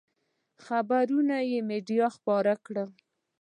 خبرونه یې مېډیا خپاره کړل.